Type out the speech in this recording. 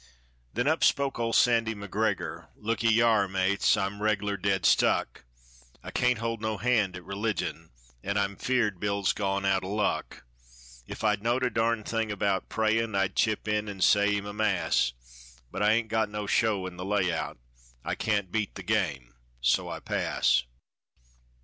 Then up spoke old Sandy McGregor, "Look'ee yar, mates, I'm reg'lar dead stuck, I can't hold no hand at religion, An' I'm 'feared Bill's gone out o' luck. If I knowed a darn thing about prayin', I'd chip in an' say him a mass; But I ain't got no show in the layout, I can't beat the game, so I pass."